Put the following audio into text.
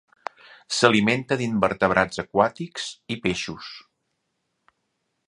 S'alimenta d'invertebrats aquàtics i peixos.